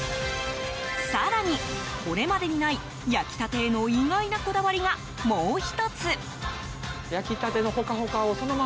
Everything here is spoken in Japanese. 更に、これまでにない焼きたてへの意外なこだわりが、もう１つ。